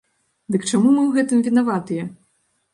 Дык чаму мы ў гэтым вінаватыя?